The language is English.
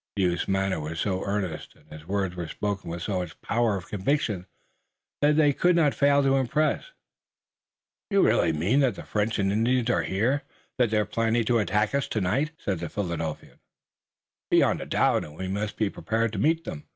The youth's manner was so earnest and his words were spoken with so much power of conviction that they could not fail to impress. "You really mean that the French and Indians are here, that they're planning to attack us tonight?" said the Philadelphian. "Beyond a doubt and we must be prepared to meet them."